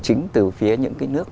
chính từ phía những cái nước